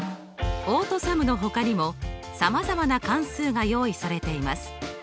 オートＳＵＭのほかにもさまざまな関数が用意されています。